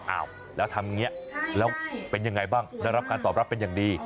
อ้าวแล้วทำอย่างนี้แล้วเป็นยังไงบ้างได้รับการตอบรับเป็นอย่างดี